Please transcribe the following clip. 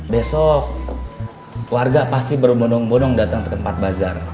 besok warga pasti bermodong modong datang ke tempat bazar